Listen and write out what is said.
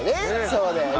そうだよね。